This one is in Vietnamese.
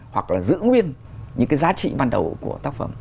hoặc là giữ nguyên những cái giá trị ban đầu của tác phẩm